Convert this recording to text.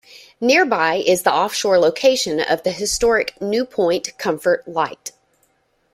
Nearby is the off-shore location of the historic New Point Comfort Light.